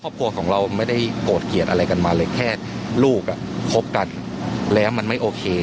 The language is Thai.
ครอบครัวของเราไม่ได้โกรธเกลียดอะไรกันมาเลยแค่ลูกอ่ะคบกันแล้วมันไม่โอเค